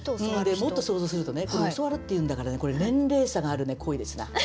もっと想像するとねこれ「教わる」って言うんだからこれ年齢差がある恋ですな。